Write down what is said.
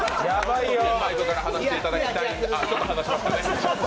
マイクから離していただきたい。